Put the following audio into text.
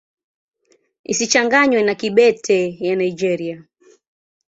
Isichanganywe na Kibete ya Nigeria.